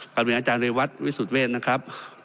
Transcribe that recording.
บริเมณาจารยวัชฯ์วิสุทธิ์เวสนะครับ